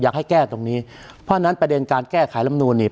อยากให้แก้ตรงนี้เพราะฉะนั้นประเด็นการแก้ไขลำนูนนี่